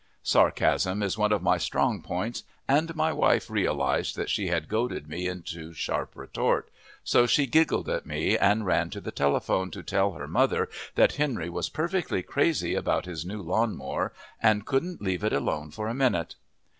Sarcasm is one of my strong points, and my wife realized that she had goaded me into sharp retort, so she giggled at me and ran to the telephone to tell her mother that Henry was perfectly crazy about his new lawn mower and couldn't leave it alone for a minute.